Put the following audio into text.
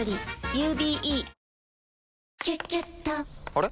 あれ？